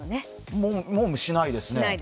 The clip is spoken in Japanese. もう、もうしないですね。